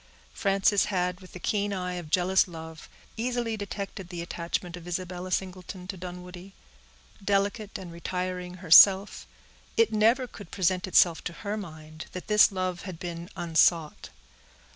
Frances had, with the keen eye of jealous love, easily detected the attachment of Isabella Singleton to Dunwoodie. Delicate and retiring herself, it never could present itself to her mind that this love had been unsought.